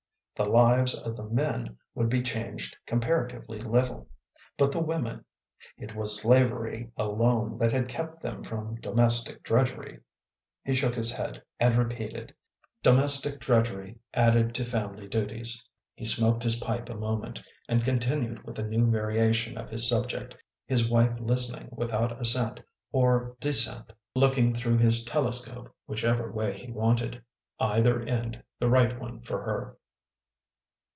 The lives of the men would be changed comparatively little. But the women ... it was slavery alone that had kept them from domestic drudgery ... he shook his head, and repeated, " do mestic drudgery added to family duties." He smoked his pipe a moment and continued with a new variation of his subject, his wife listening without assent or dissent, look ii 4 THE PLEASANT WAYS OF ST. MEDARD ing through his telescope whichever way he wanted; either end the right one for her.